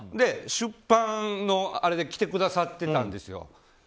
出版のあれで来てくださってたんですよ。